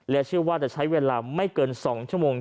เชื่อว่าจะใช้เวลาไม่เกิน๒ชั่วโมง